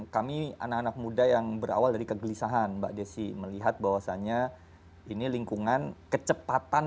kami anak anak muda yang berawal dari kegelisahan mbak desi melihat bahwasannya ini lingkungan kecepatan